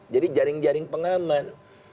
jadi jaring jaring pengaman